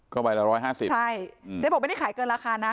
ก็ใบละ๑๕๐ใช่เจ๊บอกไม่ได้ขายเกินราคานะ